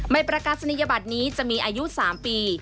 ประกาศนียบัตรนี้จะมีอายุ๓ปี